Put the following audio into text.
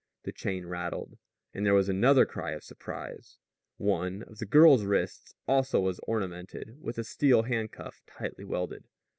The chain rattled. And there was another cry of surprise. One of the girl's wrist's also was ornamented with a steel handcuff tightly welded.